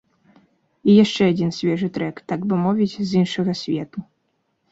І яшчэ адзін свежы трэк, так бы мовіць, з іншага свету.